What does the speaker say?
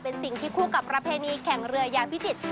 เป็นสิ่งที่คู่กับประเพณีแข่งเรือยาพิจิตร